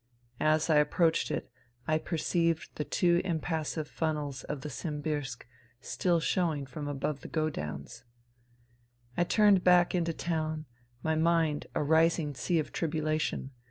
As I approached it I perceived the two impassive funnels of the Simbirsk still showing from above the godowns. I turned back into town, my mind a rising sea of tribulation.